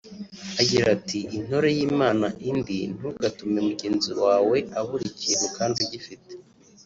Agira ati “Intore yimana indi ntugatume mugenzi wawe abura ikintu kandi ugifite